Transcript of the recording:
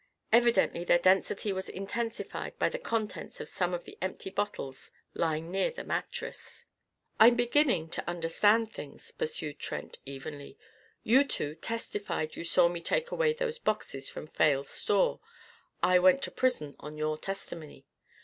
Evidently their density was intensified by the contents of some of the empty bottles lying near the mattress. "I'm beginning to understand things," pursued Trent evenly. "You two testified you saw me take away those boxes from Fales' store. I went to prison on your testimony.